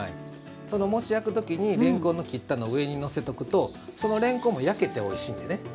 餅を焼く時にれんこんの切ったのを上にのせるとそのれんこんも焼けておいしいのでね。